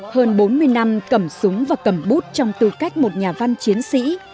hơn bốn mươi năm cầm súng và cầm bút trong tư cách một nhà văn chiến sĩ